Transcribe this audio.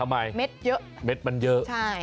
เม็ดเยอะ